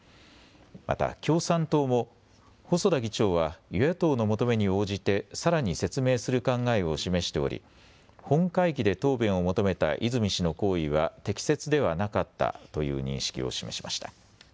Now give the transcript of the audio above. また共産党も細田議長は与野党の求めに応じてさらに説明する考えを示しており本会議で答弁を求めた泉氏の行為は適切ではなかったという認識を示しました。